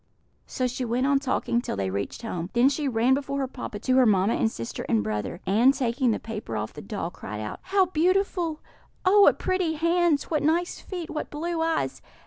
So she went on talking till they reached home; then she ran before her papa to her mamma and sister and brother, and, taking the paper off the doll, cried out: "How beautiful! Oh, what pretty hands! What nice feet! What blue eyes!